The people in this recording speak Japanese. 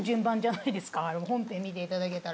本編見ていただけたら。